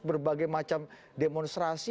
berbagai macam demonstrasi